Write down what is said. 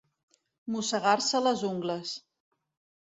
Mossegar-se les ungles.